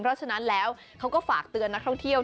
เพราะฉะนั้นแล้วเขาก็ฝากเตือนนักท่องเที่ยว